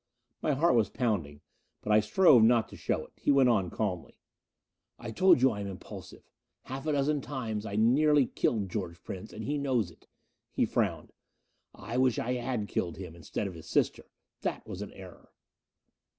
My heart was pounding, but I strove not to show it. He went on calmly. "I told you I am impulsive. Half a dozen times I have nearly killed George Prince, and he knows it." He frowned. "I wish I had killed him, instead of his sister. That was an error."